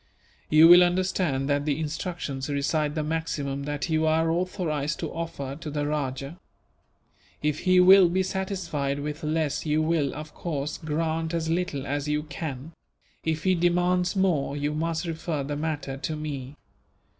"You will understand that the instructions recite the maximum that you are authorized to offer to the rajah. If he will be satisfied with less you will, of course, grant as little as you can; if he demands more, you must refer the matter to me.